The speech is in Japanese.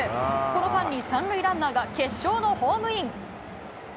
この間に３塁ランナーが決勝のホームイン。